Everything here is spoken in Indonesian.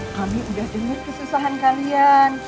kami udah dengar kesusahan kalian